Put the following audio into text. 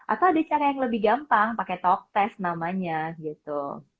atau ada cara yang lebih gampang pakai talk test namanya gitu